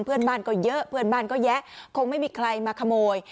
เพื่อนบ้านก็เยอะเพื่อนบ้านก็แยะคงไม่มีใครมาขโมย